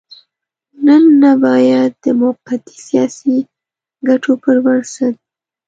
نن نه بايد د موقتي سياسي ګټو پر بنسټ.